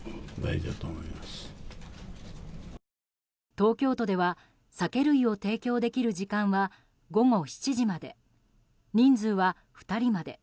東京都では酒類を提供できる時間は午後７時まで人数は２人まで。